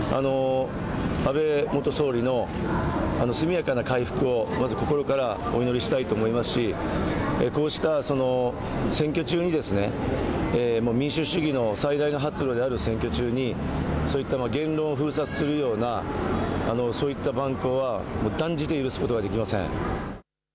安倍元総理の速やかな回復をまず心からお祈りしたいと思いますしこうした選挙中に民主主義の最大の発露である選挙中にそういった言論を封殺するような、そういった蛮行は断じて許すことができません。